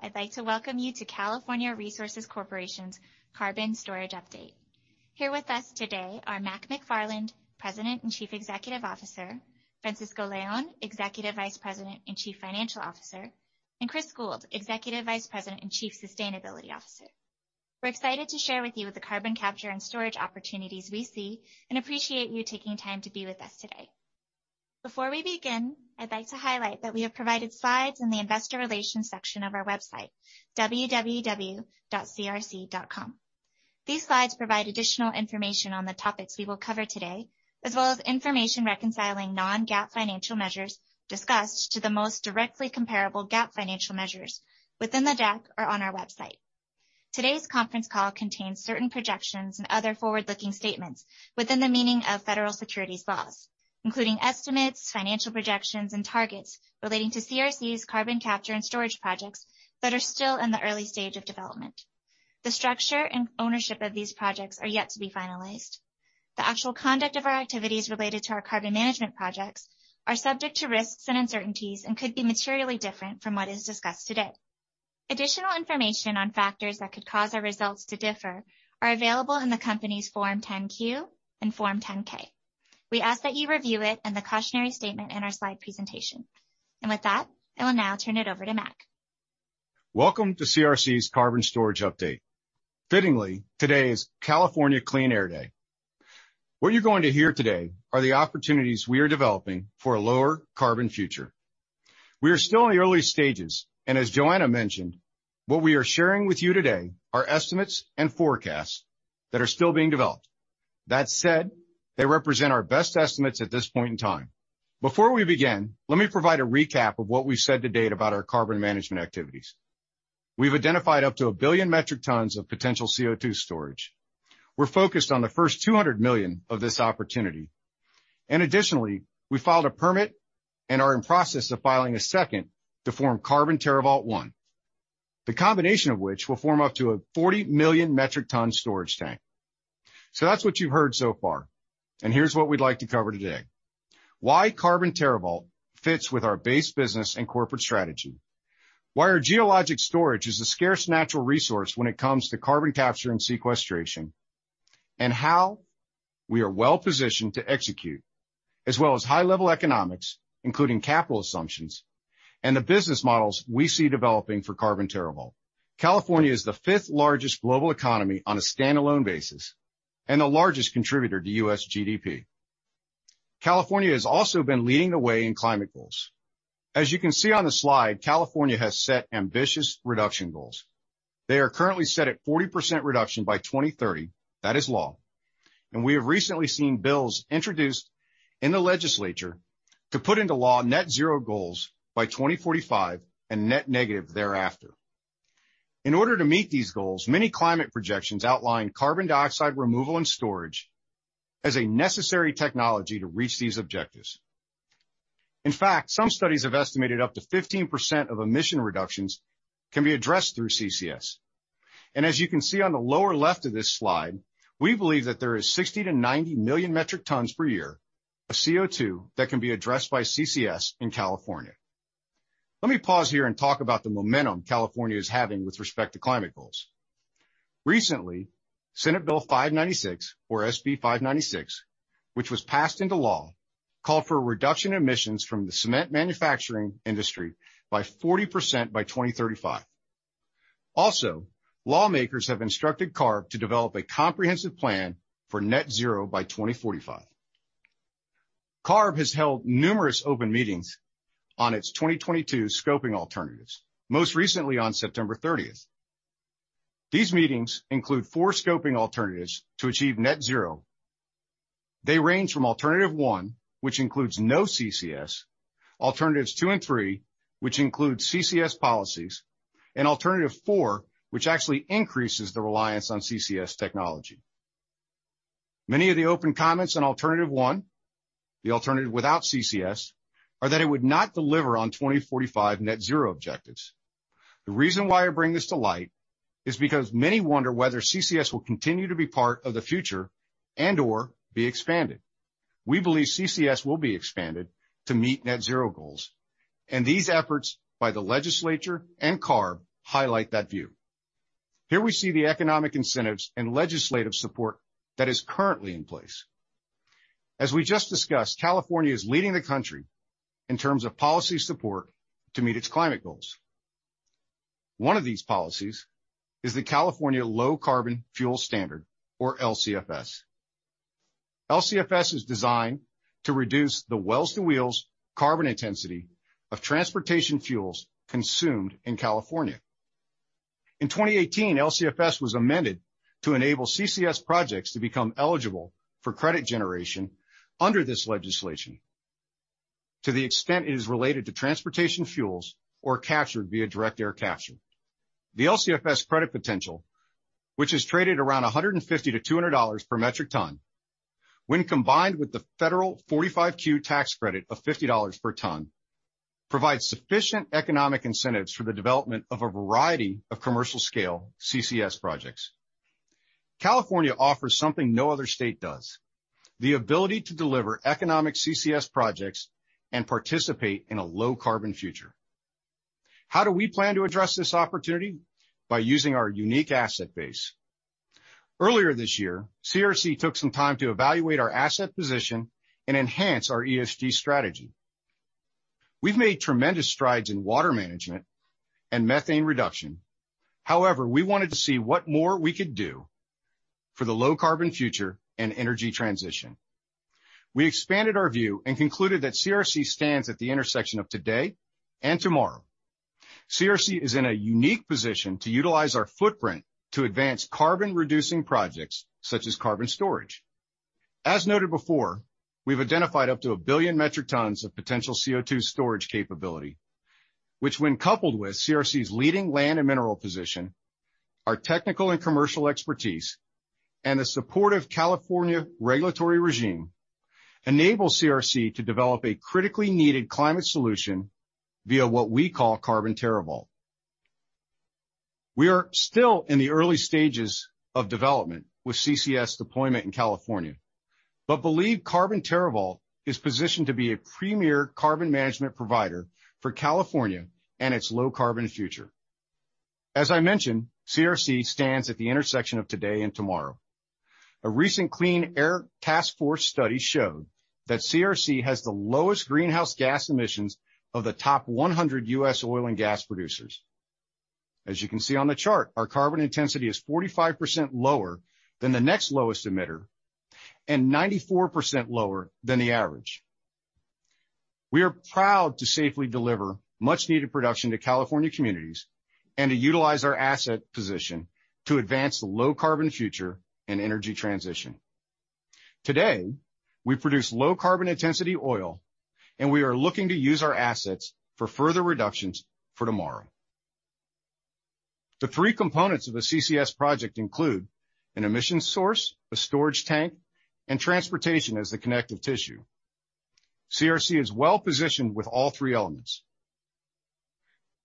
Hello. I'd like to welcome you to California Resources Corporation's Carbon Storage Update. Here with us today are Mac McFarland, President and Chief Executive Officer, Francisco Leon, Executive Vice President and Chief Financial Officer, and Chris Gould, Executive Vice President and Chief Sustainability Officer. We're excited to share with you the carbon capture and storage opportunities we see, and appreciate you taking time to be with us today. Before we begin, I'd like to highlight that we have provided slides in the investor relations section of our website, www.crc.com. These slides provide additional information on the topics we will cover today, as well as information reconciling non-GAAP financial measures discussed to the most directly comparable GAAP financial measures within the deck or on our website. Today's conference call contains certain projections and other forward-looking statements within the meaning of federal securities laws, including estimates, financial projections, and targets relating to CRC's carbon capture and storage projects that are still in the early stage of development. The structure and ownership of these projects are yet to be finalized. The actual conduct of our activities related to our carbon management projects are subject to risks and uncertainties and could be materially different from what is discussed today. Additional information on factors that could cause our results to differ are available in the company's Form 10-Q and Form 10-K. We ask that you review it and the cautionary statement in our slide presentation. With that, I will now turn it over to Mac. Welcome to CRC's Carbon Storage Update. Fittingly, today is California Clean Air Day. What you're going to hear today are the opportunities we are developing for a lower carbon future. We are still in the early stages, and as Joanna mentioned, what we are sharing with you today are estimates and forecasts that are still being developed. That said, they represent our best estimates at this point in time. Before we begin, let me provide a recap of what we've said to date about our carbon management activities. We've identified up to a billion metric tons of potential CO2 storage. We're focused on the first 200 million of this opportunity. Additionally, we filed a permit and are in process of filing a second to form Carbon TerraVault I, the combination of which will form up to a 40 million metric ton storage tank. That's what you've heard so far, and here's what we'd like to cover today. Why Carbon TerraVault fits with our base business and corporate strategy, why our geologic storage is a scarce natural resource when it comes to carbon capture and sequestration, and how we are well-positioned to execute, as well as high-level economics, including capital assumptions and the business models we see developing for Carbon TerraVault. California is the fifth largest global economy on a standalone basis and the largest contributor to U.S. GDP. California has also been leading the way in climate goals. As you can see on the slide, California has set ambitious reduction goals. They are currently set at 40% reduction by 2030. That is law. We have recently seen bills introduced in the legislature to put into law net zero goals by 2045 and net negative thereafter. In order to meet these goals, many climate projections outline carbon dioxide removal and storage as a necessary technology to reach these objectives. In fact, some studies have estimated up to 15% of emission reductions can be addressed through CCS. As you can see on the lower left of this slide, we believe that there is 60 million-90 million metric tons per year of CO2 that can be addressed by CCS in California. Let me pause here and talk about the momentum California is having with respect to climate goals. Recently, Senate Bill 596, or SB 596, which was passed into law, called for a reduction in emissions from the cement manufacturing industry by 40% by 2035. Lawmakers have instructed CARB to develop a comprehensive plan for net zero by 2045. CARB has held numerous open meetings on its 2022 scoping alternatives, most recently on September 30th. These meetings include four scoping alternatives to achieve net zero. They range from alternative one, which includes no CCS, alternatives two and three, which include CCS policies, and alternative four, which actually increases the reliance on CCS technology. Many of the open comments on alternative one, the alternative without CCS, are that it would not deliver on 2045 net zero objectives. The reason why I bring this to light is because many wonder whether CCS will continue to be part of the future and/or be expanded. We believe CCS will be expanded to meet net zero goals. These efforts by the legislature and CARB highlight that view. Here we see the economic incentives and legislative support that is currently in place. As we just discussed, California is leading the country in terms of policy support to meet its climate goals. One of these policies is the California Low Carbon Fuel Standard, or LCFS. LCFS is designed to reduce the well-to-wheels carbon intensity of transportation fuels consumed in California. In 2018, LCFS was amended to enable CCS projects to become eligible for credit generation under this legislation to the extent it is related to transportation fuels or captured via direct air capture. The LCFS credit potential, which is traded around $150-$200 per metric ton, when combined with the Federal 45Q tax credit of $50 per ton, provides sufficient economic incentives for the development of a variety of commercial scale CCS projects. California offers something no other state does, the ability to deliver economic CCS projects and participate in a low carbon future. How do we plan to address this opportunity? By using our unique asset base. Earlier this year, CRC took some time to evaluate our asset position and enhance our ESG strategy. We've made tremendous strides in water management and methane reduction. However, we wanted to see what more we could do for the low carbon future and energy transition. We expanded our view and concluded that CRC stands at the intersection of today and tomorrow. CRC is in a unique position to utilize our footprint to advance carbon reducing projects such as carbon storage. As noted before, we've identified up to a billion metric tons of potential CO2 storage capability, which when coupled with CRC's leading land and mineral position, our technical and commercial expertise, and the support of California regulatory regime, enable CRC to develop a critically needed climate solution via what we call Carbon TerraVault. We are still in the early stages of development with CCS deployment in California, but believe Carbon TerraVault is positioned to be a premier carbon management provider for California and its low carbon future. As I mentioned, CRC stands at the intersection of today and tomorrow. A recent Clean Air Task Force study showed that CRC has the lowest greenhouse gas emissions of the top 100 U.S. oil and gas producers. As you can see on the chart, our carbon intensity is 45% lower than the next lowest emitter, and 94% lower than the average. We are proud to safely deliver much needed production to California communities and to utilize our asset position to advance the low carbon future and energy transition. Today, we produce low carbon intensity oil, and we are looking to use our assets for further reductions for tomorrow. The three components of a CCS project include an emission source, a storage tank, and transportation as the connective tissue. CRC is well-positioned with all three elements.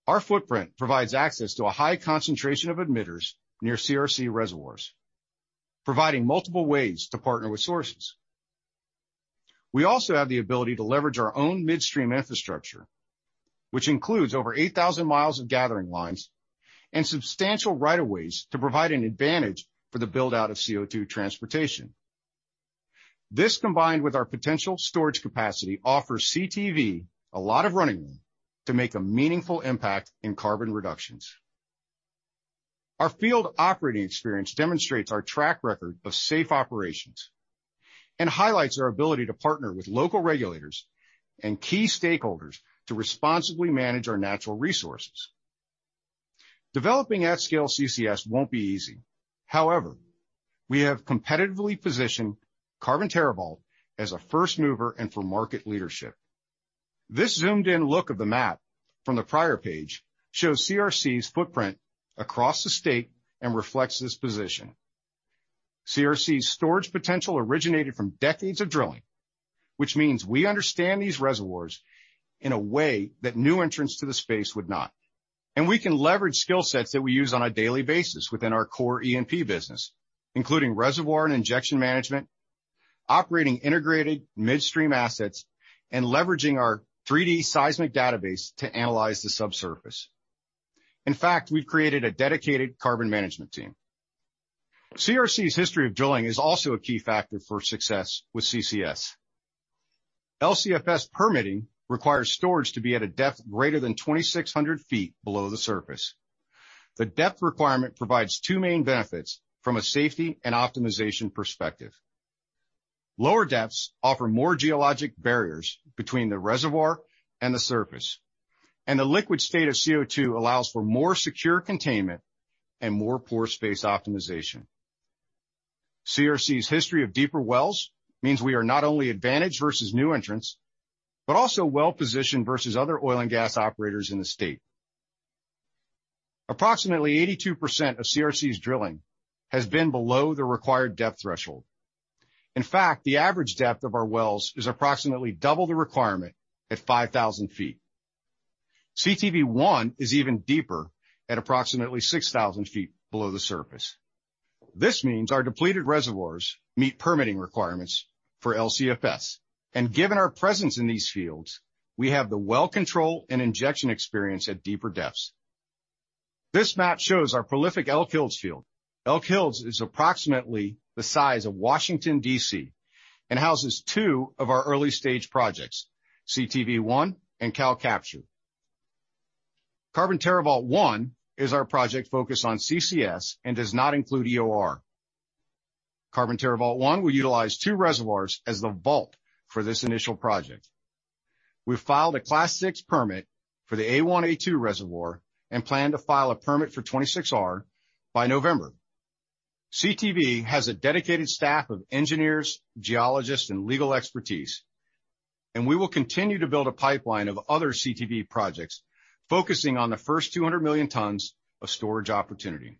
Our footprint provides access to a high concentration of emitters near CRC reservoirs, providing multiple ways to partner with sources. We also have the ability to leverage our own midstream infrastructure, which includes over 8,000 mi of gathering lines and substantial right of ways to provide an advantage for the build-out of CO2 transportation. This, combined with our potential storage capacity, offers CTV a lot of running room to make a meaningful impact in carbon reductions. Our field operating experience demonstrates our track record of safe operations and highlights our ability to partner with local regulators and key stakeholders to responsibly manage our natural resources. Developing at scale CCS won't be easy. However, we have competitively positioned Carbon TerraVault as a first mover and for market leadership. This zoomed in look of the map from the prior page shows CRC's footprint across the state and reflects this position. CRC's storage potential originated from decades of drilling, which means we understand these reservoirs in a way that new entrants to the space would not. We can leverage skill sets that we use on a daily basis within our core E&P business, including reservoir and injection management, operating integrated midstream assets, and leveraging our 3D seismic database to analyze the subsurface. In fact, we've created a dedicated carbon management team. CRC's history of drilling is also a key factor for success with CCS. LCFS permitting requires storage to be at a depth greater than 2,600 ft below the surface. The depth requirement provides two main benefits from a safety and optimization perspective. Lower depths offer more geologic barriers between the reservoir and the surface. The liquid state of CO2 allows for more secure containment and more pore space optimization. CRC's history of deeper wells means we are not only advantaged versus new entrants, but also well-positioned versus other oil and gas operators in the state. Approximately 82% of CRC's drilling has been below the required depth threshold. In fact, the average depth of our wells is approximately double the requirement at 5,000 ft. CTV I is even deeper at approximately 6,000 ft below the surface. This means our depleted reservoirs meet permitting requirements for LCFS. Given our presence in these fields, we have the well control and injection experience at deeper depths. This map shows our prolific Elk Hills field. Elk Hills is approximately the size of Washington, D.C., and houses two of our early stage projects, CTV I and CalCapture. Carbon TerraVault I is our project focused on CCS and does not include EOR. Carbon TerraVault I will utilize two reservoirs as the vault for this initial project. We filed a Class VI permit for the A1, A2 reservoir and plan to file a permit for 26R by November. CTV has a dedicated staff of engineers, geologists, and legal expertise, and we will continue to build a pipeline of other CTV projects focusing on the first 200 million tons of storage opportunity.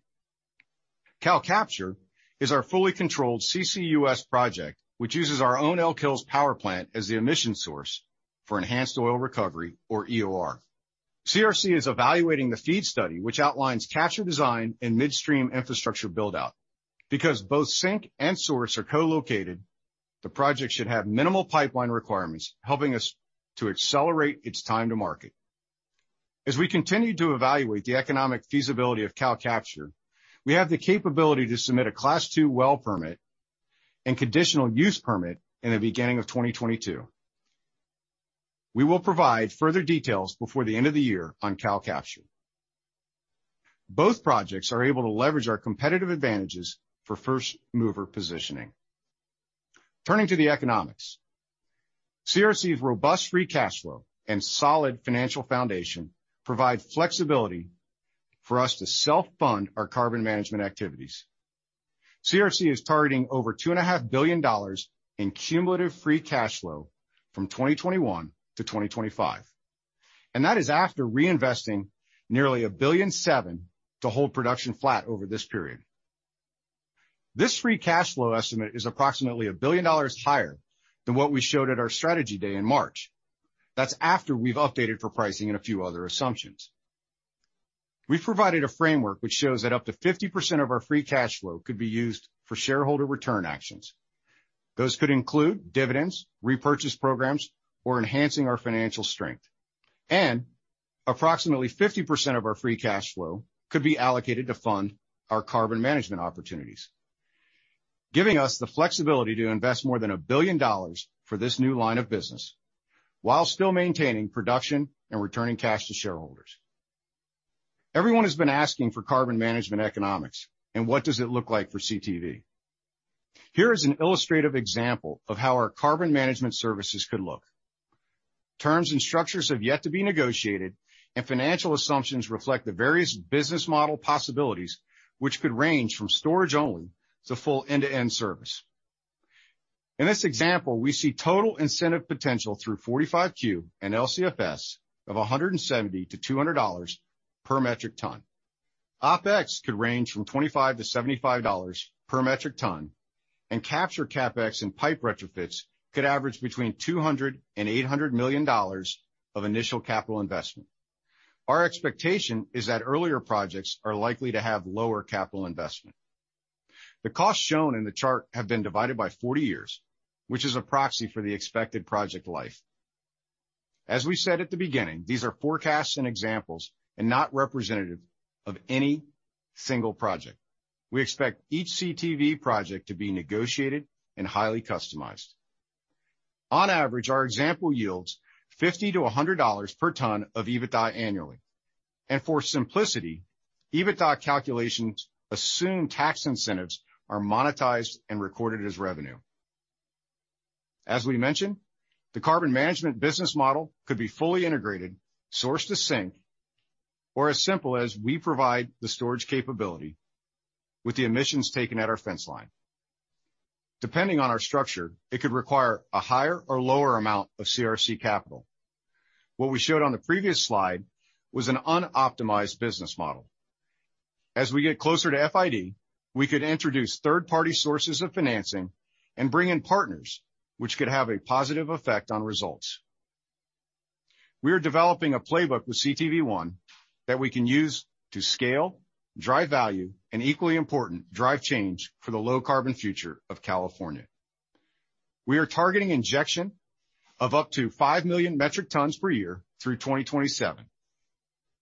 CalCapture is our fully controlled CCUS project, which uses our own Elk Hills power plant as the emission source for enhanced oil recovery or EOR. CRC is evaluating the FEED study, which outlines capture design and midstream infrastructure build-out. Because both sink and source are co-located, the project should have minimal pipeline requirements, helping us to accelerate its time to market. As we continue to evaluate the economic feasibility of CalCapture, we have the capability to submit a Class II well permit and conditional use permit in the beginning of 2022. We will provide further details before the end of the year on CalCapture. Both projects are able to leverage our competitive advantages for first-mover positioning. Turning to the economics. CRC's robust free cash flow and solid financial foundation provide flexibility for us to self-fund our carbon management activities. CRC is targeting over $2.5 billion in cumulative free cash flow from 2021 to 2025, and that is after reinvesting nearly $1.7 billion to hold production flat over this period. This free cash flow estimate is approximately $1 billion higher than what we showed at our strategy day in March. That's after we've updated for pricing and a few other assumptions. We've provided a framework which shows that up to 50% of our free cash flow could be used for shareholder return actions. Those could include dividends, repurchase programs, or enhancing our financial strength. Approximately 50% of our free cash flow could be allocated to fund our carbon management opportunities, giving us the flexibility to invest more than $1 billion for this new line of business, while still maintaining production and returning cash to shareholders. Everyone has been asking for carbon management economics and what does it look like for CTV. Here is an illustrative example of how our carbon management services could look. Terms and structures have yet to be negotiated, and financial assumptions reflect the various business model possibilities, which could range from storage only to full end-to-end service. In this example, we see total incentive potential through 45Q and LCFS of $170-$200 per metric ton. OpEx could range from $25-$75 per metric ton, and capture CapEx and pipe retrofits could average between $200 million and $800 million of initial capital investment. Our expectation is that earlier projects are likely to have lower capital investment. The costs shown in the chart have been divided by 40 years, which is a proxy for the expected project life. As we said at the beginning, these are forecasts and examples and not representative of any single project. We expect each CTV project to be negotiated and highly customized. On average, our example yields $50-$100 per ton of EBITDA annually. For simplicity, EBITDA calculations assume tax incentives are monetized and recorded as revenue. As we mentioned, the carbon management business model could be fully integrated, source to sink, or as simple as we provide the storage capability with the emissions taken at our fence line. Depending on our structure, it could require a higher or lower amount of CRC capital. What we showed on the previous slide was an unoptimized business model. As we get closer to FID, we could introduce third-party sources of financing and bring in partners, which could have a positive effect on results. We are developing a playbook with CTV I that we can use to scale, drive value, and equally important, drive change for the low-carbon future of California. We are targeting injection of up to five million metric tons per year through 2027.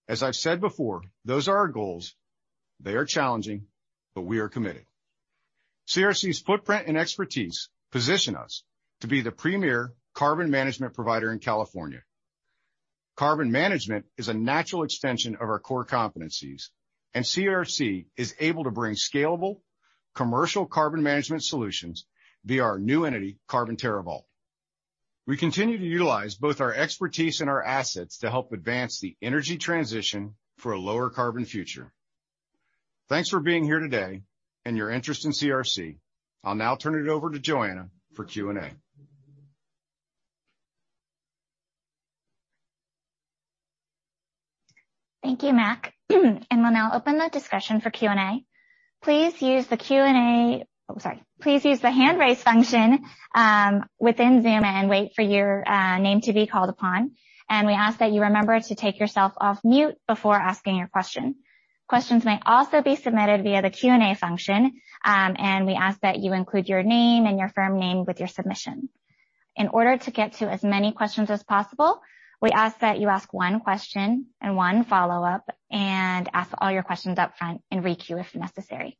As I've said before, those are our goals. They are challenging, but we are committed. CRC's footprint and expertise position us to be the premier carbon management provider in California. Carbon management is a natural extension of our core competencies, and CRC is able to bring scalable commercial carbon management solutions via our new entity, Carbon TerraVault. We continue to utilize both our expertise and our assets to help advance the energy transition for a lower carbon future. Thanks for being here today and your interest in CRC. I'll now turn it over to Joanna for Q&A. Thank you, Mac. We'll now open the discussion for Q&A. Please use the Q&A. Please use the raise hand function within Zoom and wait for your name to be called upon. We ask that you remember to take yourself off mute before asking your question. Questions may also be submitted via the Q&A function, and we ask that you include your name and your firm name with your submission. In order to get to as many questions as possible, we ask that you ask one question and one follow-up, and ask all your questions up front and re-queue if necessary.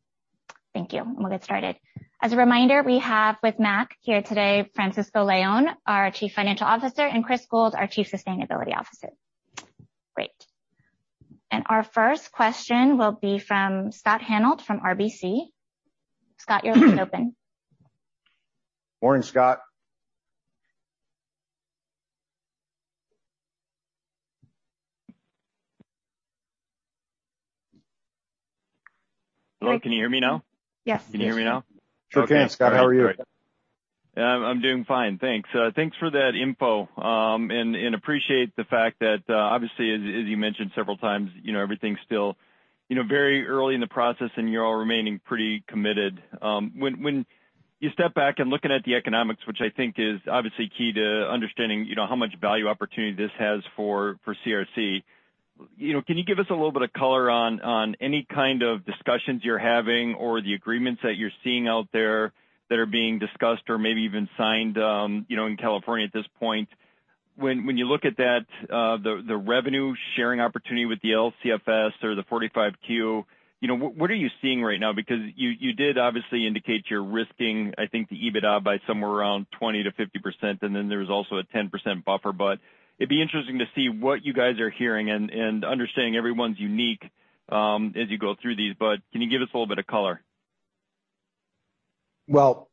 Thank you, and we'll get started. As a reminder, we have with Mac here today, Francisco Leon, our Chief Financial Officer, and Chris Gould, our Chief Sustainability Officer. Great. Our first question will be from Scott Hanold from RBC. Scott, you're open. Morning, Scott. Hello, can you hear me now? Yes. Can you hear me now? Okay. Scott, how are you? I'm doing fine. Thanks for that info. Appreciate the fact that obviously, as you mentioned several times, everything's still very early in the process, and you're all remaining pretty committed. When you step back looking at the economics, which I think is obviously key to understanding how much value opportunity this has for CRC, can you give us a little bit of color on any kind of discussions you're having or the agreements that you're seeing out there that are being discussed or maybe even signed in California at this point? When you look at that, the revenue-sharing opportunity with the LCFS or the 45Q, what are you seeing right now? You did obviously indicate you're risking, I think, the EBITDA by somewhere around 20%-50%, and there's also a 10% buffer. It'd be interesting to see what you guys are hearing and understanding everyone's unique as you go through these. Can you give us a little bit of color? Well,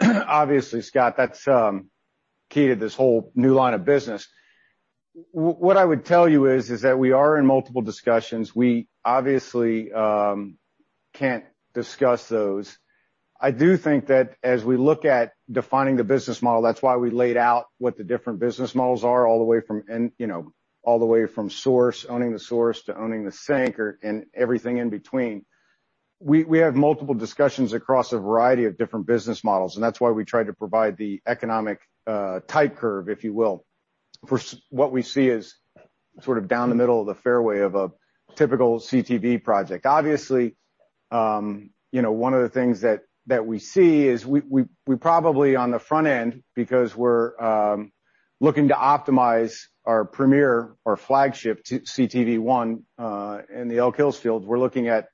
obviously, Scott, that's key to this whole new line of business. What I would tell you is that we are in multiple discussions. We obviously can't discuss those. I do think that as we look at defining the business model, that's why we laid out what the different business models are all the way from owning the source to owning the sink and everything in between. We have multiple discussions across a variety of different business models, and that's why we try to provide the economic type curve, if you will, for what we see as sort of down the middle of the fairway of a typical CTV project. Obviously, one of the things that we see is we probably on the front end, because we're looking to optimize our premier or flagship CTV I in the Elk Hills field, we're looking at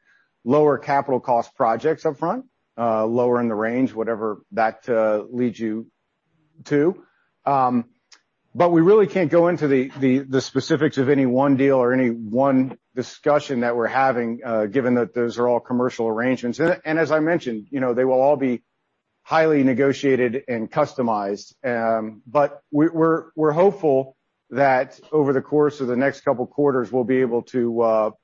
lower capital cost projects up front, lower in the range, whatever that leads you to. We really can't go into the specifics of any one deal or any one discussion that we're having, given that those are all commercial arrangements. As I mentioned, they will all be highly negotiated and customized. We're hopeful that over the course of the next couple of quarters, we'll be able to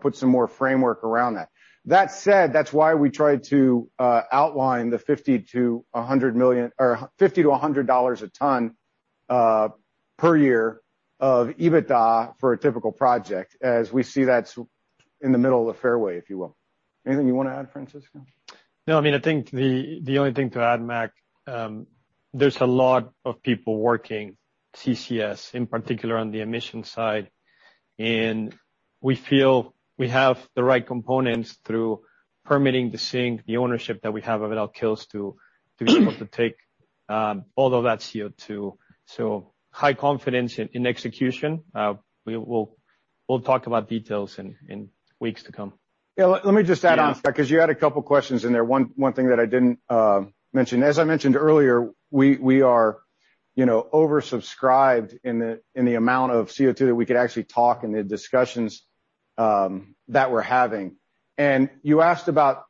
put some more framework around that. That said, that's why we try to outline the $50-$100 a ton per year of EBITDA for a typical project, as we see that's in the middle of the fairway, if you will. Anything you want to add, Francisco? No, I think the only thing to add, Mac, there's a lot of people working CCS, in particular on the emission side, and we feel we have the right components through permitting the sink, the ownership that we have of Elk Hills to be able to take all of that CO2. High confidence in execution. We'll talk about details in weeks to come. Yeah, let me just add on to that, because you had a couple questions in there. One thing that I didn't mention. As I mentioned earlier, we are oversubscribed in the amount of CO2 that we could actually talk in the discussions that we're having. You asked about,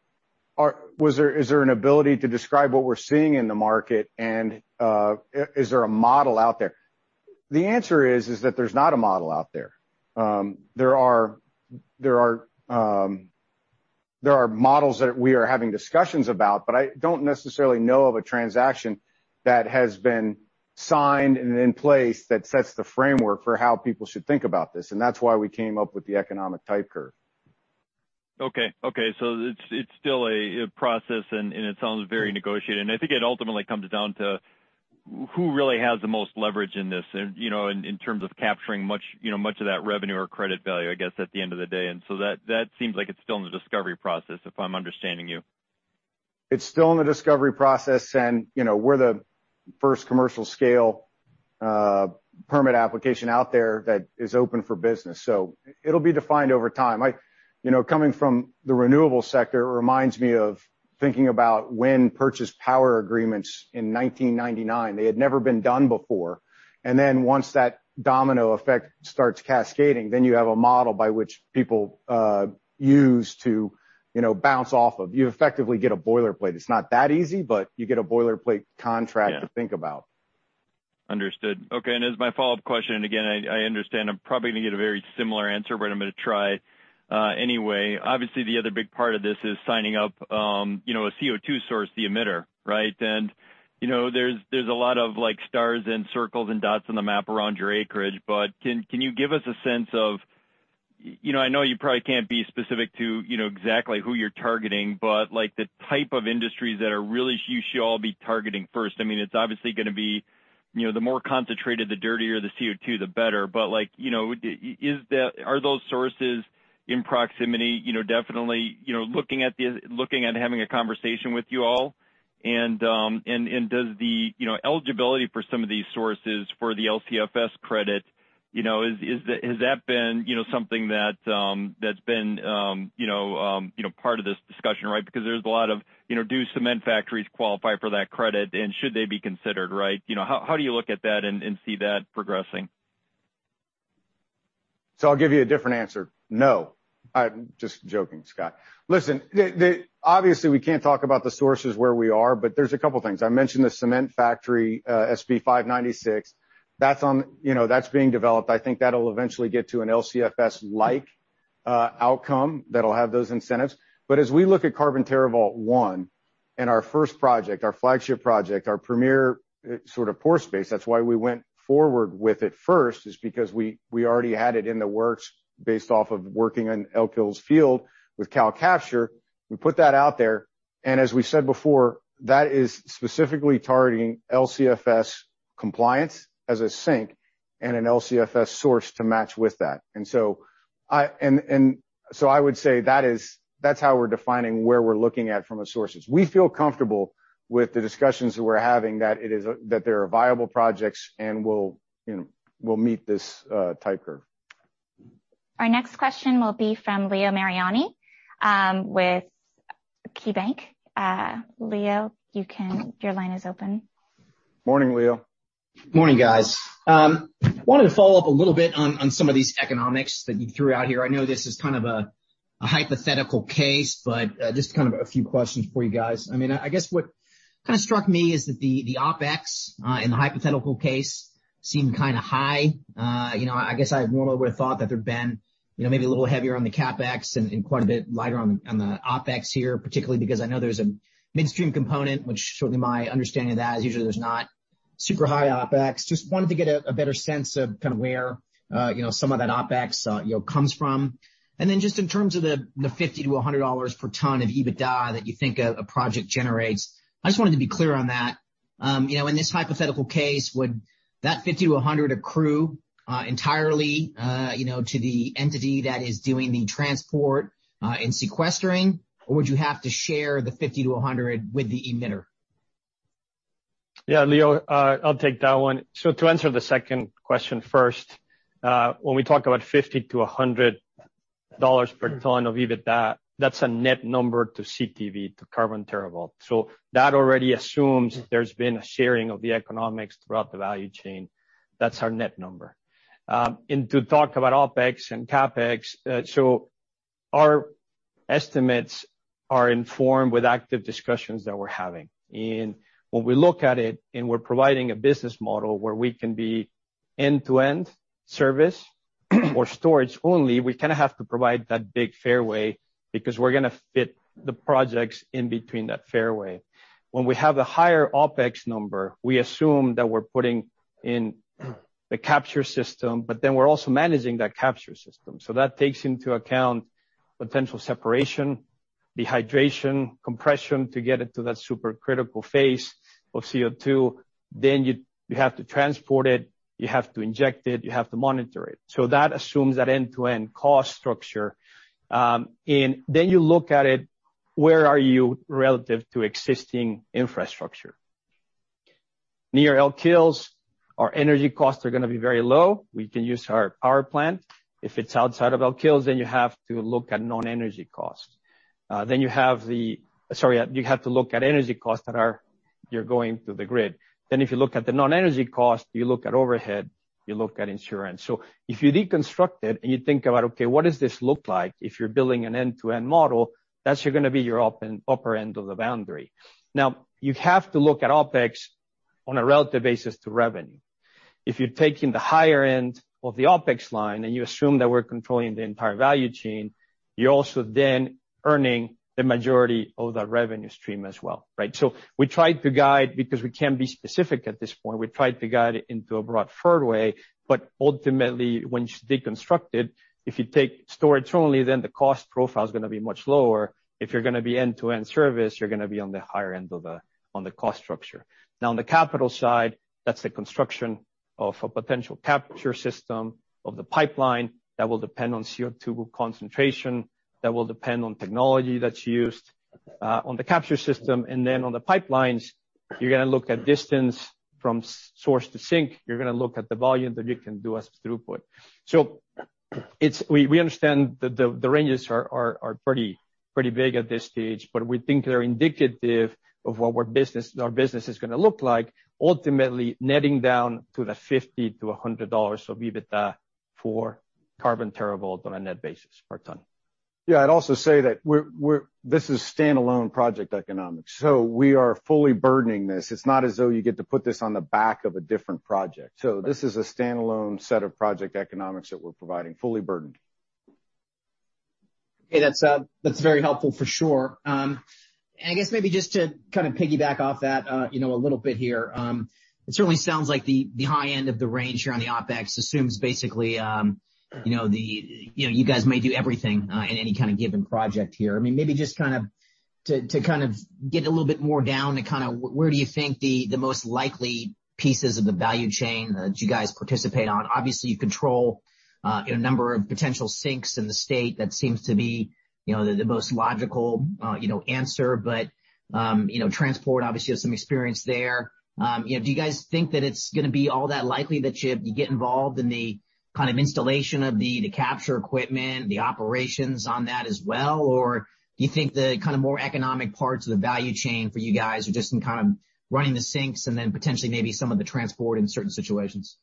is there an ability to describe what we're seeing in the market, and is there a model out there? The answer is that there's not a model out there. There are models that we are having discussions about, I don't necessarily know of a transaction that has been signed and in place that sets the framework for how people should think about this, and that's why we came up with the economic type curve. Okay. It's still a process, and it sounds very negotiated. I think it ultimately comes down to who really has the most leverage in this, in terms of capturing much of that revenue or credit value, I guess, at the end of the day. That seems like it's still in the discovery process, if I'm understanding you. It's still in the discovery process. We're the first commercial scale permit application out there that is open for business. It'll be defined over time. Coming from the renewable sector, it reminds me of thinking about when purchased power agreements in 1999. They had never been done before. Once that domino effect starts cascading, you have a model by which people use to bounce off of. You effectively get a boilerplate. It's not that easy, but you get a boilerplate contract to think about. Understood. Okay, as my follow-up question, again, I understand I'm probably going to get a very similar answer, I'm going to try anyway. Obviously, the other big part of this is signing up a CO2 source, the emitter, right? There's a lot of stars and circles and dots on the map around your acreage. Can you give us a sense of-- I know you probably can't be specific to exactly who you're targeting, the type of industries that you should all be targeting first. It's obviously going to be the more concentrated, the dirtier the CO2, the better. Are those sources in proximity definitely looking at having a conversation with you all? Does the eligibility for some of these sources for the LCFS credit, has that been something that's been part of this discussion, right? There's a lot of, do cement factories qualify for that credit, and should they be considered, right? How do you look at that and see that progressing? I'll give you a different answer. No. I'm just joking, Scott. Listen, obviously, we can't talk about the sources where we are, there's a couple of things. I mentioned the cement factory, SB 596. That's being developed. I think that'll eventually get to an LCFS-like outcome that'll have those incentives. As we look at Carbon TerraVault I, our first project, our flagship project, our premier sort of pore space, that's why we went forward with it first, is because we already had it in the works based off of working on Elk Hills field with CalCapture. We put that out there, and as we said before, that is specifically targeting LCFS compliance as a sink and an LCFS source to match with that. I would say that's how we're defining where we're looking at from a sources. We feel comfortable with the discussions that we're having, that there are viable projects and we'll meet this type curve. Our next question will be from Leo Mariani, with KeyBanc. Leo, your line is open. Morning, Leo. Morning, guys. Wanted to follow up a little bit on some of these economics that you threw out here. I know this is kind of a hypothetical case, but just kind of a few questions for you guys. I guess what kind of struck me is that the OpEx in the hypothetical case seemed kind of high. I guess I had more of a thought that there'd been maybe a little heavier on the CapEx and quite a bit lighter on the OpEx here, particularly because I know there's a midstream component, which certainly my understanding of that is usually there's not super high OpEx. Just wanted to get a better sense of kind of where some of that OpEx comes from. Just in terms of the $50-$100 per ton of EBITDA that you think a project generates, I just wanted to be clear on that. In this hypothetical case, would that $50-$100 accrue entirely to the entity that is doing the transport and sequestering, or would you have to share the $50-$100 with the emitter? Yeah, Leo, I'll take that one. To answer the second question first, when we talk about $50-$100 per ton of EBITDA, that's a net number to CTV, to Carbon TerraVault. That already assumes there's been a sharing of the economics throughout the value chain. That's our net number. To talk about OpEx and CapEx, our estimates are informed with active discussions that we're having. When we look at it and we're providing a business model where we can be end-to-end service or storage only, we kind of have to provide that big fairway because we're going to fit the projects in between that fairway. When we have the higher OpEx number, we assume that we're putting in the capture system, but then we're also managing that capture system. That takes into account potential separation, dehydration, compression to get it to that supercritical phase of CO2. You have to transport it, you have to inject it, you have to monitor it. That assumes that end-to-end cost structure. You look at it, where are you relative to existing infrastructure? Near Elk Hills, our energy costs are going to be very low. We can use our power plant. If it's outside of Elk Hills, then you have to look at non-energy costs. Sorry, you have to look at energy costs that you're going through the grid. If you look at the non-energy cost, you look at overhead, you look at insurance. If you deconstruct it and you think about, okay, what does this look like if you're building an end-to-end model, that's going to be your upper end of the boundary. You have to look at OpEx on a relative basis to revenue. If you're taking the higher end of the OpEx line and you assume that we're controlling the entire value chain, you're also then earning the majority of that revenue stream as well, right? We tried to guide, because we can't be specific at this point, we tried to guide it into a broad fairway. Ultimately, when you deconstruct it, if you take storage only, the cost profile is going to be much lower. If you're going to be end-to-end service, you're going to be on the higher end on the cost structure. On the capital side, that's the construction of a potential capture system of the pipeline. That will depend on CO2 concentration, that will depend on technology that's used on the capture system. On the pipelines, you're going to look at distance from source to sink. You're going to look at the volume that you can do as throughput. We understand that the ranges are pretty big at this stage, we think they're indicative of what our business is going to look like, ultimately netting down to the $50-$100 of EBITDA for Carbon TerraVault on a net basis per ton. Yeah, I'd also say that this is standalone project economics. We are fully burdening this. It's not as though you get to put this on the back of a different project. This is a standalone set of project economics that we're providing, fully burdened. Okay. That's very helpful for sure. I guess maybe just to kind of piggyback off that a little bit here, it certainly sounds like the high end of the range here on the OpEx assumes basically you guys may do everything in any kind of given project here. Maybe just to kind of get a little bit more down to where do you think the most likely pieces of the value chain that you guys participate on. Obviously, you control a number of potential sinks in the state. That seems to be the most logical answer. Transport obviously has some experience there. Do you guys think that it's going to be all that likely that you get involved in the kind of installation of the capture equipment, the operations on that as well? Do you think the kind of more economic parts of the value chain for you guys are just in kind of running the sinks and then potentially maybe some of the transport in certain situations?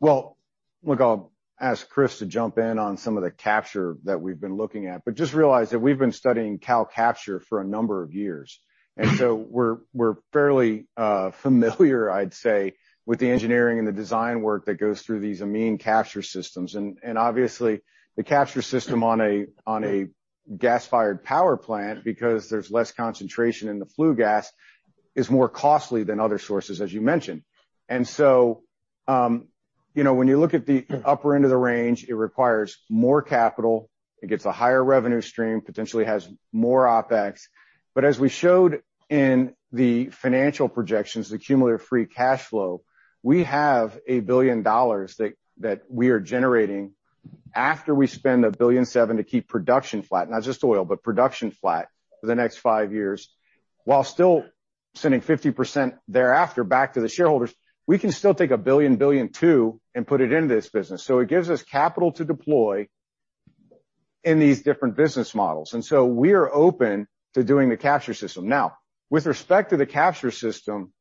Look, I'll ask Chris to jump in on some of the capture that we've been looking at, but just realize that we've been studying CalCapture for a number of years, so we're fairly familiar, I'd say, with the engineering and the design work that goes through these amine capture systems. Obviously the capture system on a gas-fired power plant, because there's less concentration in the flue gas, is more costly than other sources, as you mentioned. When you look at the upper end of the range, it requires more capital. It gets a higher revenue stream, potentially has more OpEx. As we showed in the financial projections, the cumulative free cash flow, we have $1 billion that we are generating after we spend $1.7 billion to keep production flat, not just oil, but production flat for the next five years, while still sending 50% thereafter back to the shareholders. We can still take $1 billion, $1.2 billion, and put it into this business. It gives us capital to deploy in these different business models. We are open to doing the capture system. With respect to the capture system,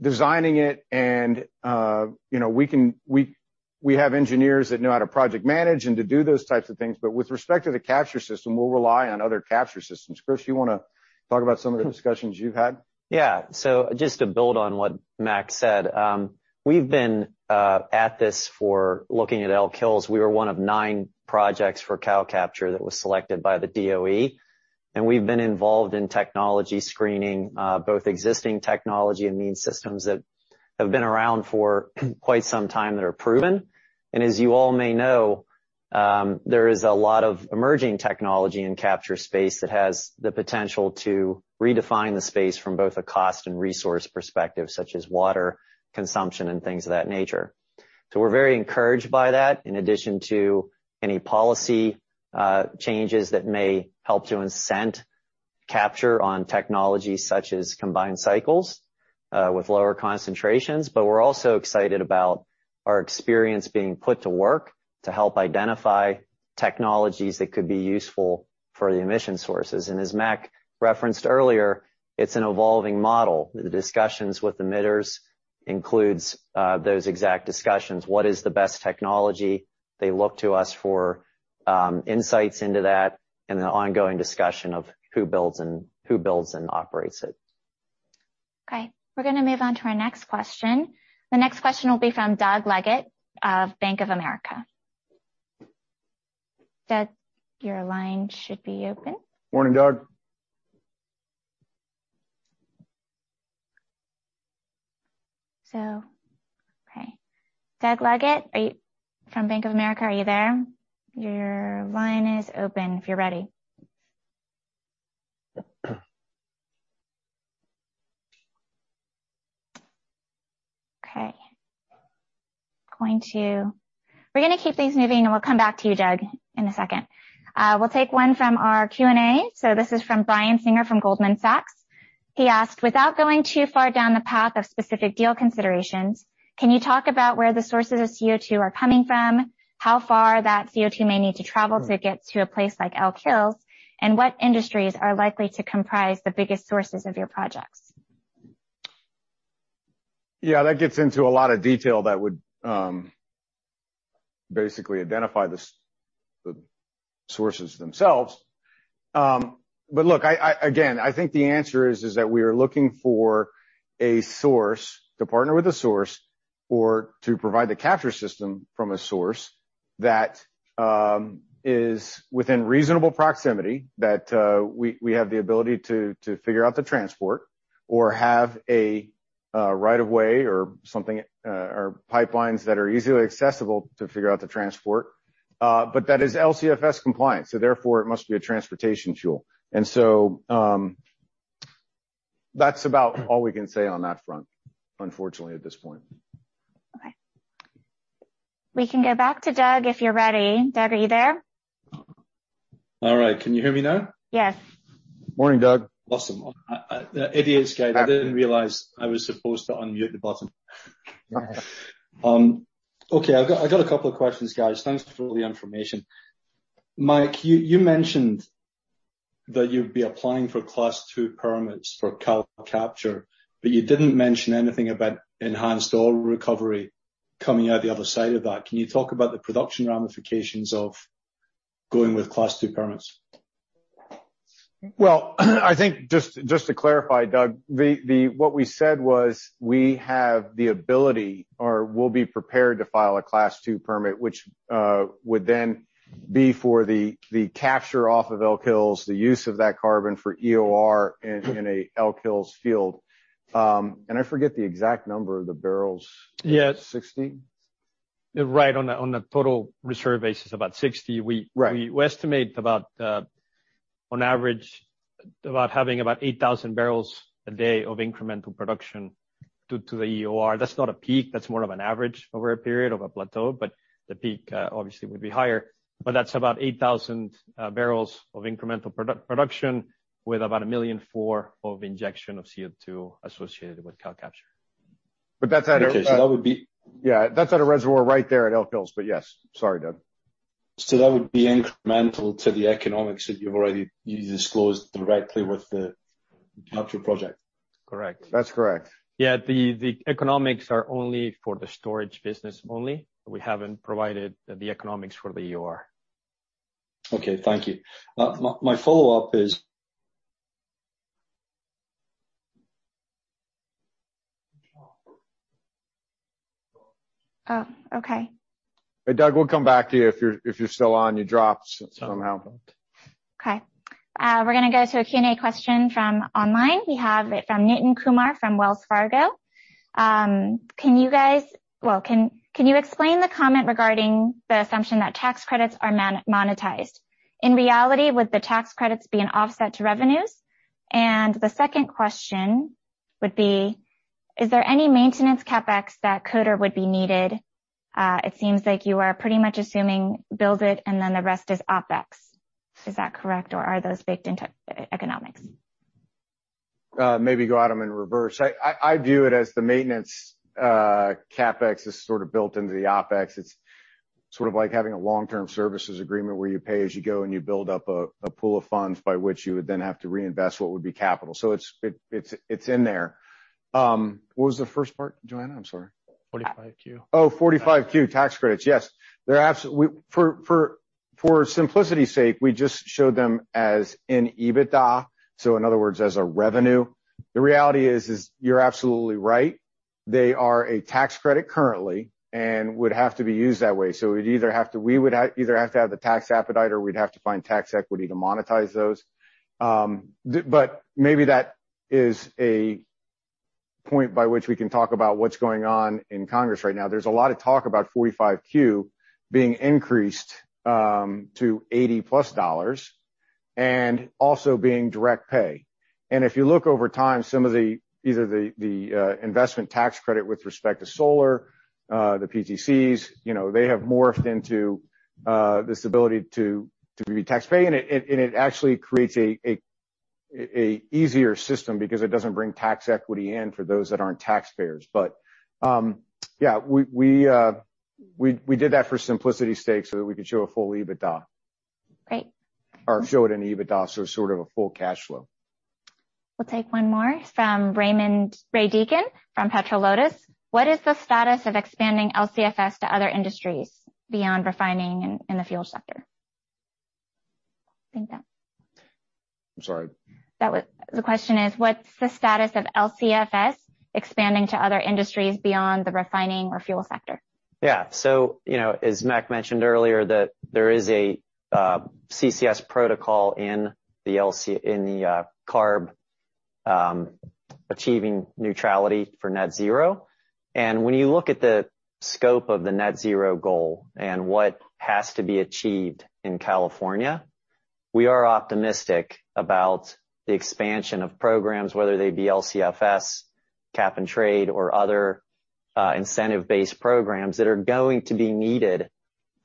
designing it, and we have engineers that know how to project manage and to do those types of things, with respect to the capture system, we'll rely on other capture systems. Chris, you want to talk about some of the discussions you've had? Yeah. Just to build on what Mac said. We've been at this for looking at Elk Hills. We were one of nine projects for CalCapture that was selected by the DOE, and we've been involved in technology screening, both existing technology and amine systems that have been around for quite some time that are proven. As you all may know, there is a lot of emerging technology in capture space that has the potential to redefine the space from both a cost and resource perspective, such as water consumption and things of that nature. We're very encouraged by that. In addition to any policy changes that may help to incent capture on technologies such as combined cycles, with lower concentrations. We're also excited about our experience being put to work to help identify technologies that could be useful for the emission sources. As Mac referenced earlier, it's an evolving model. The discussions with emitters includes those exact discussions. What is the best technology? They look to us for insights into that and the ongoing discussion of who builds and operates it. Okay. We're going to move on to our next question. The next question will be from Doug Leggate of Bank of America. Doug, your line should be open. Morning, Doug. Okay. Doug Leggate from Bank of America, are you there? Your line is open if you're ready. Okay. We're going to keep things moving, and we'll come back to you, Doug, in a second. We'll take one from our Q&A. This is from Brian Singer from Goldman Sachs. He asked, "Without going too far down the path of specific deal considerations, can you talk about where the sources of CO2 are coming from, how far that CO2 may need to travel to get to a place like Elk Hills, and what industries are likely to comprise the biggest sources of your projects? Yeah, that gets into a lot of detail that would basically identify the sources themselves. Look, again, I think the answer is that we are looking to partner with a source or to provide the capture system from a source that is within reasonable proximity, that we have the ability to figure out the transport or have a right of way or pipelines that are easily accessible to figure out the transport. That is LCFS compliant, so therefore, it must be a transportation fuel. That's about all we can say on that front, unfortunately, at this point. Okay. We can go back to Doug, if you're ready. Doug, are you there? All right. Can you hear me now? Yes. Morning, Doug. Awesome. Idiots, guys. I didn't realize I was supposed to unmute the button. Okay, I've got a couple of questions, guys. Thanks for all the information. Mac, you mentioned that you'd be applying for Class II well permits for CalCapture, but you didn't mention anything about enhanced oil recovery coming out the other side of that. Can you talk about the production ramifications of going with Class II well permits? I think just to clarify, Doug, what we said was we have the ability or will be prepared to file a Class II permit, which would then be for the capture off of Elk Hills, the use of that carbon for EOR in an Elk Hills field. I forget the exact number of the barrels. Yes. 60? You're right. On the total reserve basis, about 60. Right. We estimate on average, about having about 8,000 bbl a day of incremental production due to the EOR. That's not a peak. That's more of an average over a period of a plateau, but the peak obviously would be higher. That's about 8,000 bbl of incremental production with about 1.4 million of injection of CO2 associated with CalCapture. But that's at a- Okay. Yeah, that's at a reservoir right there at Elk Hills. Yes, sorry, Doug. That would be incremental to the economics that you've already disclosed directly with the capture project. Correct. That's correct. Yeah, the economics are only for the storage business only. We haven't provided the economics for the EOR. Okay, thank you. My follow-up is Oh, okay. Hey, Doug, we'll come back to you if you're still on. You dropped somehow. Okay. We're going to go to a Q&A question from online. We have it from Nitin Kumar from Wells Fargo. Can you explain the comment regarding the assumption that tax credits are monetized? In reality, would the tax credits be an offset to revenues? The second question would be, is there any maintenance CapEx that could or would be needed? It seems like you are pretty much assuming build it, and then the rest is OpEx. Is that correct, or are those baked into economics? Maybe go at them in reverse. I view it as the maintenance CapEx is sort of built into the OpEx. It's sort of like having a long-term services agreement where you pay as you go, and you build up a pool of funds by which you would then have to reinvest what would be capital. It's in there. What was the first part, Joanna? I'm sorry. 45Q. 45Q tax credits. Yes. For simplicity's sake, we just showed them as in EBITDA, so in other words, as a revenue. The reality is, you're absolutely right. They are a tax credit currently and would have to be used that way. We would either have to have the tax appetite, or we'd have to find tax equity to monetize those. Maybe that is a point by which we can talk about what's going on in Congress right now. There's a lot of talk about 45Q being increased to $80+ and also being direct pay. If you look over time, some of either the investment tax credit with respect to solar, the PTCs, they have morphed into this ability to be tax pay, and it actually creates a easier system because it doesn't bring tax equity in for those that aren't taxpayers. Yeah, we did that for simplicity's sake so that we could show a full EBITDA. Great. Show it in EBITDA, so sort of a full cash flow. We'll take one more from Ray Deacon from Petro Lotus. What is the status of expanding LCFS to other industries beyond refining in the fuel sector? I'm sorry. The question is, what's the status of LCFS expanding to other industries beyond the refining or fuel sector? Yeah. As Mac mentioned earlier that there is a CCS protocol in the CARB achieving neutrality for net zero. When you look at the scope of the net zero goal and what has to be achieved in California, we are optimistic about the expansion of programs, whether they be LCFS, cap and trade, or other incentive-based programs that are going to be needed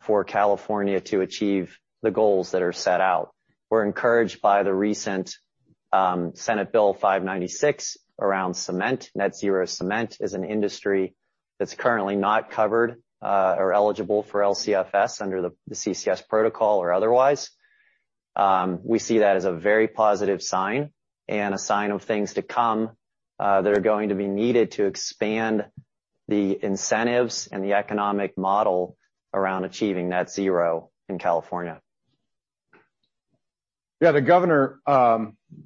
for California to achieve the goals that are set out. We're encouraged by the recent Senate Bill 596 around cement. Net zero cement is an industry that's currently not covered or eligible for LCFS under the CCS protocol or otherwise. We see that as a very positive sign and a sign of things to come that are going to be needed to expand the incentives and the economic model around achieving net zero in California. Yeah. The governor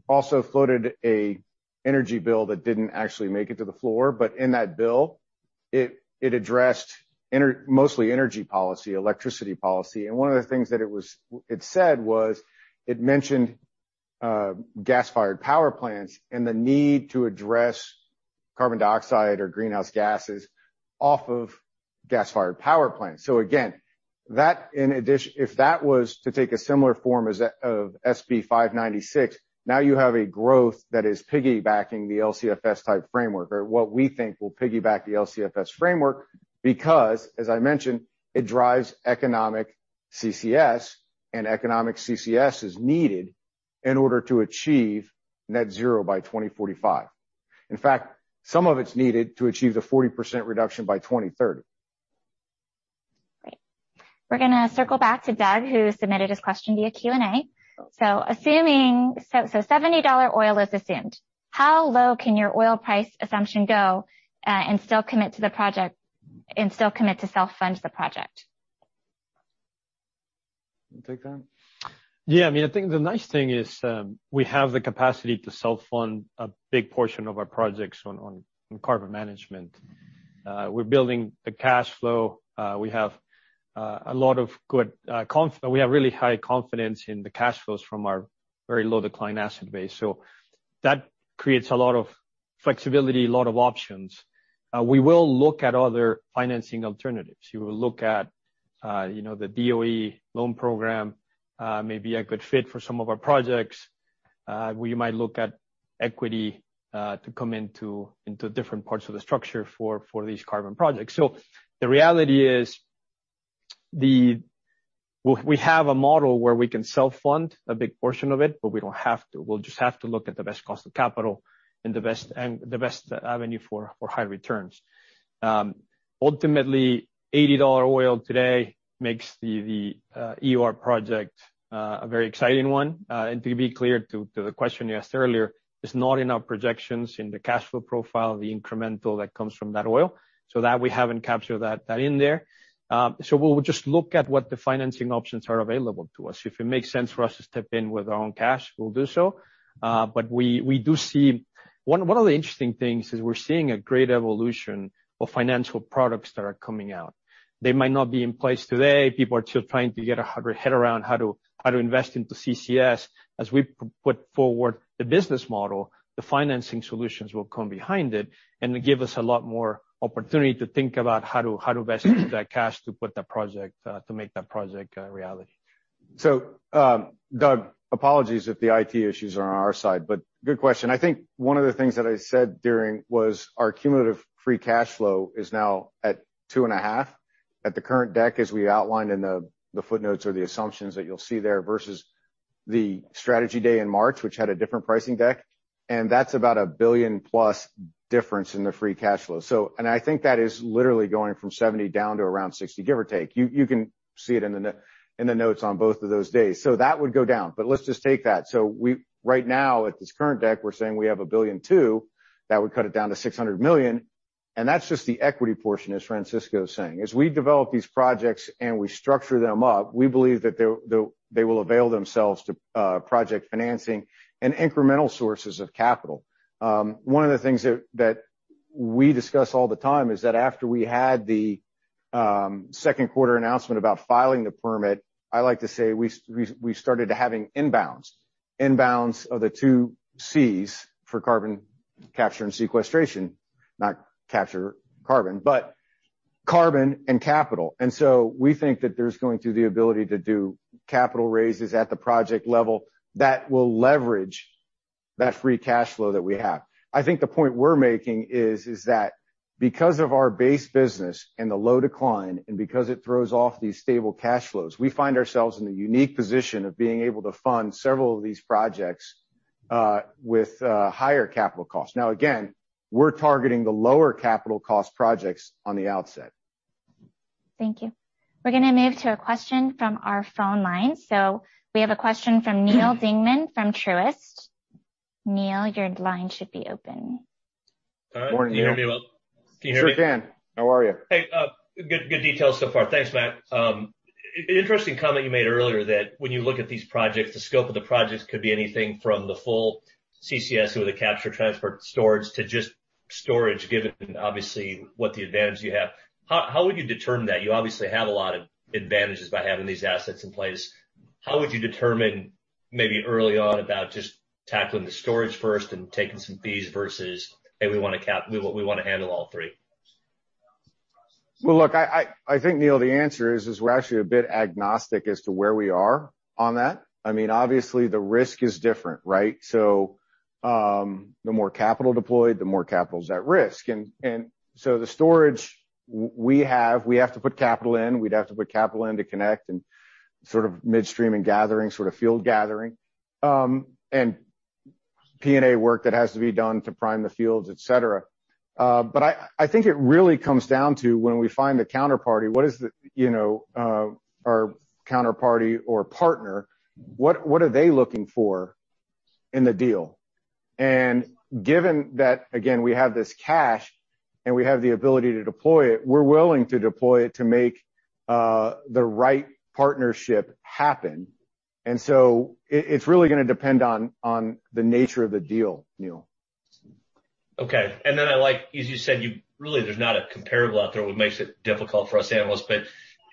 also floated a energy bill that didn't actually make it to the floor. In that bill, it addressed mostly energy policy, electricity policy. One of the things that it said was it mentioned gas-fired power plants and the need to address carbon dioxide or greenhouse gases off of gas-fired power plants. Again, if that was to take a similar form as of SB 596, now you have a growth that is piggybacking the LCFS type framework, or what we think will piggyback the LCFS framework because, as I mentioned, it drives economic CCS, and economic CCS is needed in order to achieve net zero by 2045. In fact, some of it's needed to achieve the 40% reduction by 2030. Great. We're going to circle back to Doug, who submitted his question via Q&A. Seventy dollar oil is assumed. How low can your oil price assumption go, and still commit to self-fund the project? You take that? Yeah. I think the nice thing is, we have the capacity to self-fund a big portion of our projects on carbon management. We're building the cash flow. We have really high confidence in the cash flows from our very low decline asset base. That creates a lot of flexibility, a lot of options. We will look at other financing alternatives. We will look at the DOE Loan Program, may be a good fit for some of our projects. We might look at equity to come into different parts of the structure for these carbon projects. The reality is, we have a model where we can self-fund a big portion of it, but we don't have to. We'll just have to look at the best cost of capital and the best avenue for high returns. Ultimately, $80 oil today makes the EOR project a very exciting one. To be clear to the question you asked earlier, it is not in our projections in the cash flow profile, the incremental that comes from that oil, so that we haven't captured that in there. We'll just look at what the financing options are available to us. If it makes sense for us to step in with our own cash, we'll do so. One of the interesting things is we're seeing a great evolution of financial products that are coming out. They might not be in place today. People are still trying to get their head around how to invest into CCS. As we put forward the business model, the financing solutions will come behind it and give us a lot more opportunity to think about how to best use that cash to make that project a reality. Doug, apologies if the IT issues are on our side, but good question. I think one of the things that I said during was our cumulative free cash flow is now at 2.5 at the current deck, as we outlined in the footnotes or the assumptions that you'll see there, versus the strategy day in March, which had a different pricing deck. That's about a $1+ billion difference in the free cash flow. I think that is literally going from $70 down to around $60, give or take. You can see it in the notes on both of those days. That would go down. Let's just take that. Right now, at this current deck, we're saying we have $1.2 billion. That would cut it down to $600 million, and that's just the equity portion, as Francisco is saying. As we develop these projects and we structure them up, we believe that they will avail themselves to project financing and incremental sources of capital. One of the things that we discuss all the time is that after we had the second quarter announcement about filing the permit, I like to say we started having inbounds. Inbounds of the two Cs for carbon capture and sequestration, not capture carbon, but carbon and capital. We think that there's going to the ability to do capital raises at the project level that will leverage that free cash flow that we have. I think the point we're making is that because of our base business and the low decline, and because it throws off these stable cash flows, we find ourselves in the unique position of being able to fund several of these projects with higher capital costs. Again, we're targeting the lower capital cost projects on the outset. Thank you. We're going to move to a question from our phone line. We have a question from Neal Dingmann from Truist. Neal, your line should be open. Morning, Neal. Can you hear me well? Can you hear me? Sure can. How are you? Hey. Good details so far. Thanks, Mac. Interesting comment you made earlier that when you look at these projects, the scope of the projects could be anything from the full CCS or the capture transport storage to just storage, given obviously what the advantage you have. How would you determine that? You obviously have a lot of advantages by having these assets in place. How would you determine maybe early on about just tackling the storage first and taking some fees versus, "Hey, we want to handle all three? Well, look, I think, Neal, the answer is we're actually a bit agnostic as to where we are on that. Obviously, the risk is different, right? The more capital deployed, the more capital's at risk. The storage we have, we have to put capital in. We'd have to put capital in to connect and midstream and gathering, sort of field gathering. P&A work that has to be done to prime the fields, et cetera. I think it really comes down to when we find the counterparty or partner, what are they looking for in the deal? Given that, again, we have this cash and we have the ability to deploy it, we're willing to deploy it to make the right partnership happen. It's really going to depend on the nature of the deal, Neal. Okay. As you said, really, there's not a comparable out there, what makes it difficult for us analysts.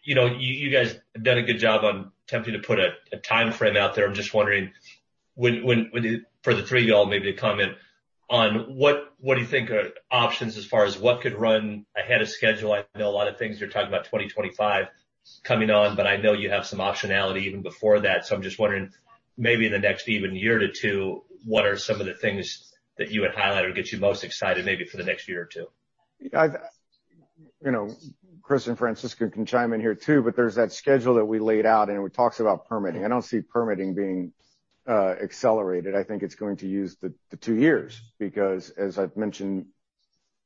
You guys have done a good job on attempting to put a timeframe out there. I'm just wondering for the three of you all maybe to comment on what do you think are options as far as what could run ahead of schedule? I know a lot of things you're talking about 2025 coming on, but I know you have some optionality even before that. I'm just wondering, maybe in the next even year to two, what are some of the things that you would highlight or get you most excited maybe for the next year or two? Chris and Francisco can chime in here too, but there's that schedule that we laid out, and it talks about permitting. I don't see permitting being accelerated. I think it's going to use the two years because, as I've mentioned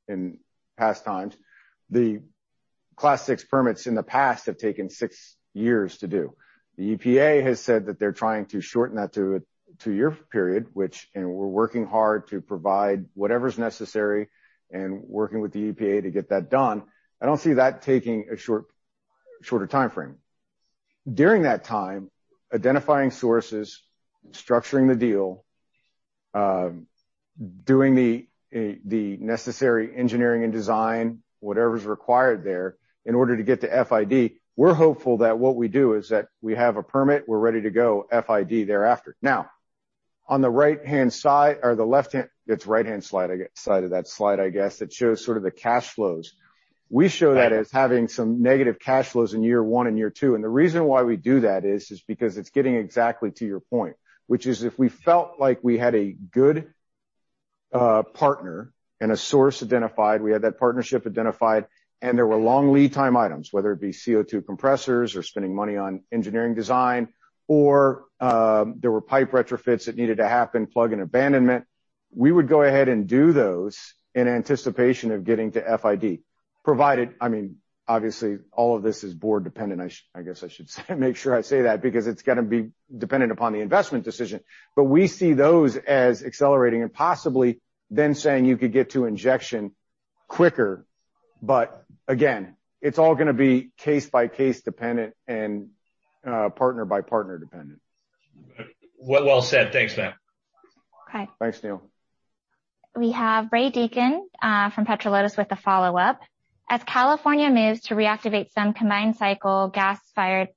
in past times, the Class VI permits in the past have taken six years to do. The EPA has said that they're trying to shorten that to a two-year period, and we're working hard to provide whatever's necessary and working with the EPA to get that done. I don't see that taking a shorter timeframe. During that time, identifying sources, structuring the deal, doing the necessary engineering and design, whatever's required there in order to get to FID. We're hopeful that what we do is that we have a permit, we're ready to go FID thereafter. On the right-hand side of that slide, I guess, that shows sort of the cash flows. We show that as having some negative cash flows in year one and year two, the reason why we do that is because it's getting exactly to your point, which is if we felt like we had a good partner and a source identified, we had that partnership identified and there were long lead time items, whether it be CO2 compressors or spending money on engineering design, or there were pipe retrofits that needed to happen, plug and abandonment. We would go ahead and do those in anticipation of getting to FID, provided, obviously, all of this is board dependent, I guess I should say make sure I say that, because it's going to be dependent upon the investment decision. We see those as accelerating and possibly then saying you could get to injection quicker. Again, it's all going to be case by case dependent and partner by partner dependent. Well said. Thanks, Mac. Okay. Thanks, Neal. We have Ray Deacon from Petro Lotus with a follow-up. As California moves to reactivate some combined cycle gas-fired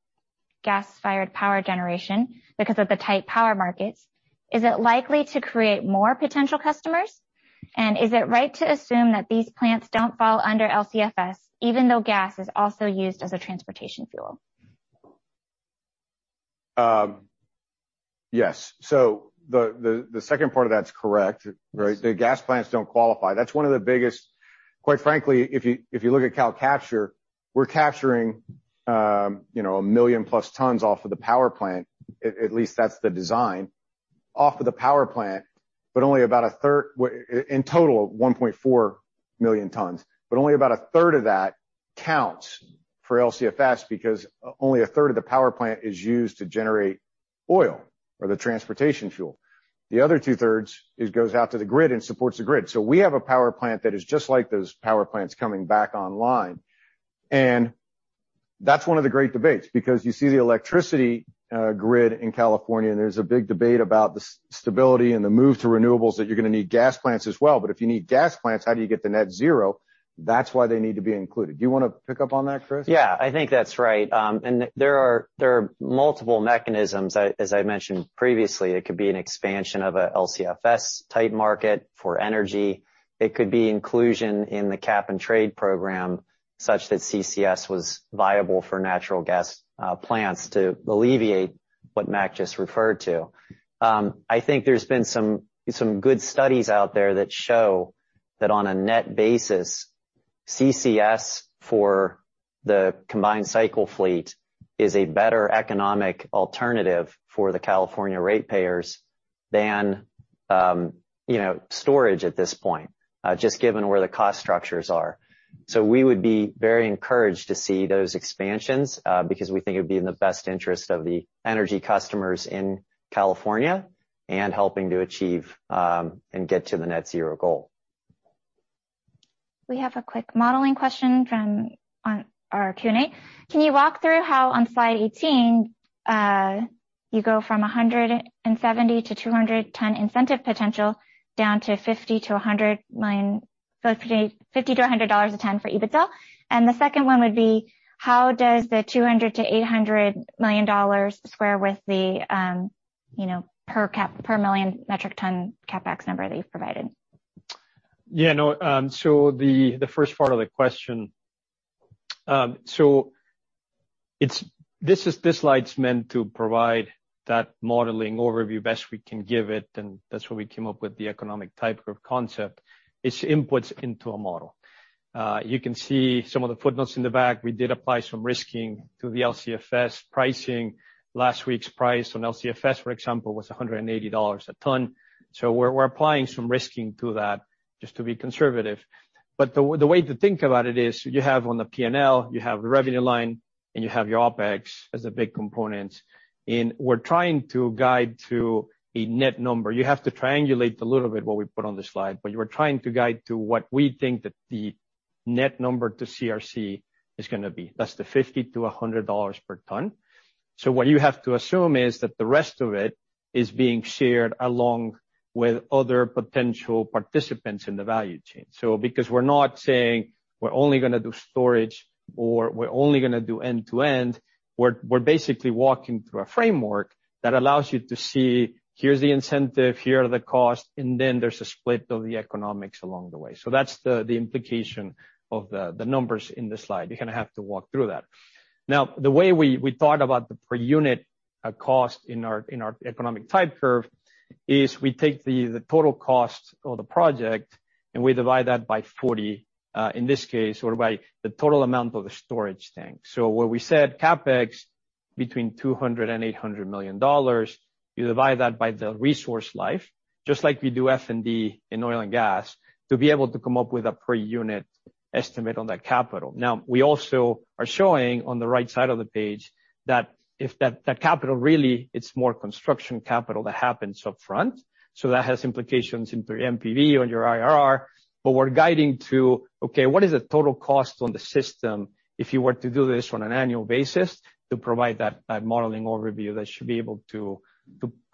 power generation because of the tight power markets, is it likely to create more potential customers? Is it right to assume that these plants don't fall under LCFS even though gas is also used as a transportation fuel? Yes. The second part of that is correct. The gas plants don't qualify. That's one of the biggest. Quite frankly, if you look at CalCapture, we're capturing a million plus tons off of the power plant, at least that's the design, off of the power plant, in total, 1.4 million tons, but only about a third of that counts for LCFS because only a third of the power plant is used to generate oil or the transportation fuel. The other 2/3, it goes out to the grid and supports the grid. We have a power plant that is just like those power plants coming back online. That's one of the great debates, because you see the electricity grid in California, and there's a big debate about the stability and the move to renewables, that you're going to need gas plants as well. If you need gas plants, how do you get to net zero? That's why they need to be included. Do you want to pick up on that, Chris? Yeah, I think that's right. There are multiple mechanisms, as I mentioned previously. It could be an expansion of a LCFS type market for energy. It could be inclusion in the cap and trade program, such that CCS was viable for natural gas plants to alleviate what Mac just referred to. I think there's been some good studies out there that show that on a net basis, CCS for the combined cycle fleet is a better economic alternative for the California ratepayers than storage at this point, just given where the cost structures are. We would be very encouraged to see those expansions because we think it would be in the best interest of the energy customers in California and helping to achieve, and get to the net zero goal. We have a quick modeling question from on our Q&A. Can you walk through how on slide 18, you go from 170-200 ton incentive potential down to $50-$100 a ton for EBITDA? The second one would be: How does the $200 million-$800 million square with the per million metric ton CapEx number that you've provided? The first part of the question. This slide's meant to provide that modeling overview best we can give it, and that's why we came up with the economic type of concept. It's inputs into a model. You can see some of the footnotes in the back. We did apply some risking to the LCFS pricing. Last week's price on LCFS, for example, was $180 a ton. We're applying some risking to that just to be conservative. The way to think about it is, you have on the P&L, you have the revenue line, and you have your OpEx as a big component. We're trying to guide to a net number. You have to triangulate a little bit what we put on the slide, but you are trying to guide to what we think that the net number to CRC is going to be. That's the $50-$100 per ton. What you have to assume is that the rest of it is being shared along with other potential participants in the value chain. Because we're not saying we're only going to do storage or we're only going to do end-to-end, we're basically walking through a framework that allows you to see, here's the incentive, here are the costs, and then there's a split of the economics along the way. That's the implication of the numbers in the slide. You kind of have to walk through that. The way we thought about the per unit cost in our economic type curve is we take the total cost of the project, and we divide that by 40, in this case, or by the total amount of the storage tank. Where we said CapEx between $200 million and $800 million, you divide that by the resource life, just like we do F&D in oil and gas, to be able to come up with a per unit estimate on that capital. We also are showing on the right side of the page that if that capital really, it's more construction capital that happens upfront. That has implications into your NPV or your IRR, but we're guiding to, okay, what is the total cost on the system if you were to do this on an annual basis to provide that modeling overview that should be able to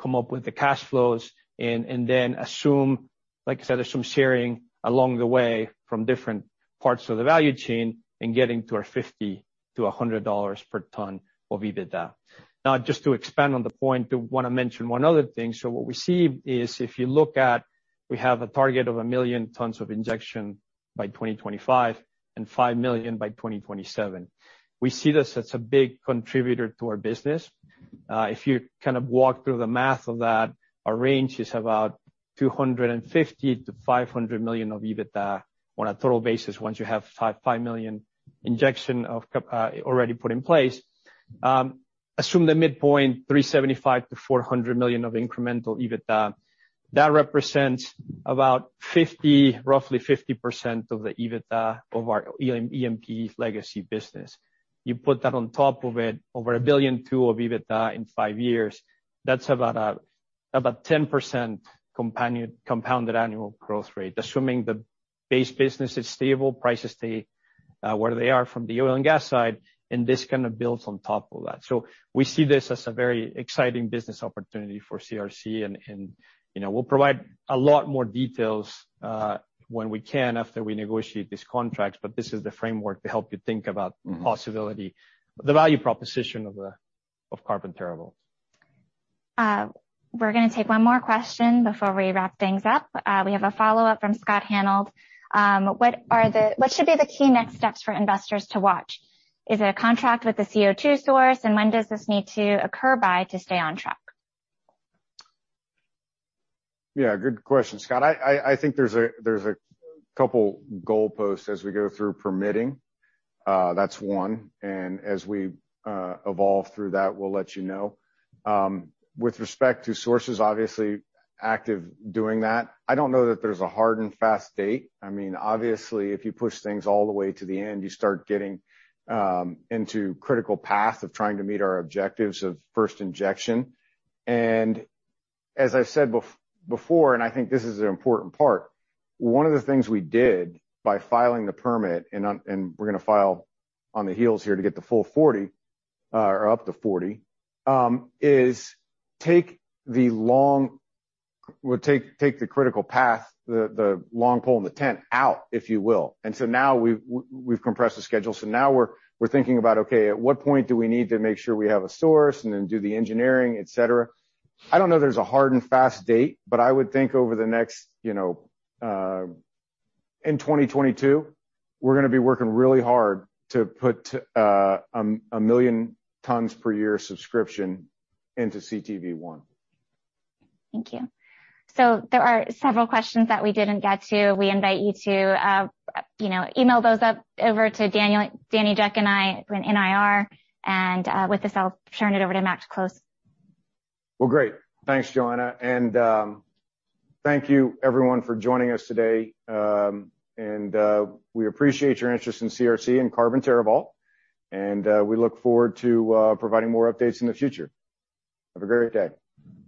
come up with the cash flows and then assume, like I said, assume sharing along the way from different parts of the value chain and getting to our $50-$100 per ton of EBITDA. Just to expand on the point, I want to mention one other thing. What we see is if you look at, we have a target of a million tons of injection by 2025 and five million by 2027. We see this as a big contributor to our business. If you kind of walk through the math of that, our range is about $250 million-$500 million of EBITDA on a total basis once you have five million injection already put in place. Assume the mid-point, $375 million-$400 million of incremental EBITDA. That represents roughly 50% of the EBITDA of our E&P legacy business. You put that on top of it, over $1.2 billion of EBITDA in five years, that's about a 10% compounded annual growth rate, assuming the base business is stable, prices stay where they are from the oil and gas side, and this kind of builds on top of that. We see this as a very exciting business opportunity for CRC, and we'll provide a lot more details when we can after we negotiate this contract, but this is the framework to help you think about possibility, the value proposition of Carbon TerraVault. We're going to take one more question before we wrap things up. We have a follow-up from Scott Hanold. What should be the key next steps for investors to watch? Is it a contract with the CO2 source, and when does this need to occur by to stay on track? Yeah, good question, Scott. I think there's a couple goalposts as we go through permitting. That's one. As we evolve through that, we'll let you know. With respect to sources, obviously active doing that. I don't know that there's a hard and fast date. Obviously, if you push things all the way to the end, you start getting into critical path of trying to meet our objectives of first injection. As I said before, and I think this is an important part, one of the things we did by filing the permit, and we're going to file on the heels here to get the full 40, or up to 40, is take the critical path, the long pole in the tent out, if you will. Now we've compressed the schedule. Now we're thinking about, okay, at what point do we need to make sure we have a source and then do the engineering, et cetera? I don't know there's a hard and fast date, but I would think over the next, in 2022, we're going to be working really hard to put a million tons per year subscription into CTV I. Thank you. There are several questions that we didn't get to. We invite you to email those over to Danny, Jack, and I in IR. With this, I'll turn it over to Mac to close. Well, great. Thanks, Joanna. Thank you everyone for joining us today. We appreciate your interest in CRC and Carbon TerraVault, and we look forward to providing more updates in the future. Have a great day.